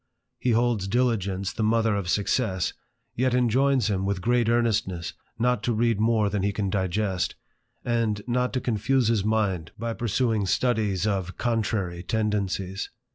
He holds diligence the mother of success; yet enjoins him, with great earnestness, not to read more than he can digest, and not to confuse his mind by pursuing studies of contrary tendencies.